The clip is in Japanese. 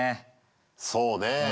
そうねぇ。